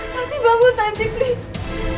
tanti bangun tanti please